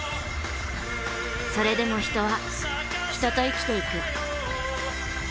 それでも人は人と生きていく。